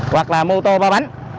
hoặc là mô tô ba bánh